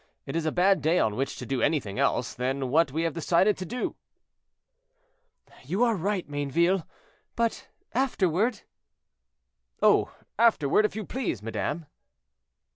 It is a bad day on which to do anything else than what we have decided to do." "You are right, Mayneville; but afterward—" "Oh! afterward, if you please, madame."